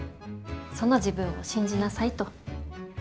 その自分を信じなさいと。